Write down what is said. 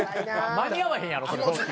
間に合わへんやろそれ投球。